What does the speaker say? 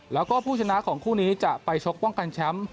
แล้วก็ผู้ชนะของคู่นี้จะไปชกป้องกันแชมป์